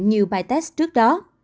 nhiều bài test trước đó